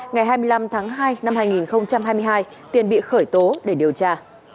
ngày hai mươi năm tháng hai năm hai nghìn hai mươi hai tiền bị khởi tố để điều tra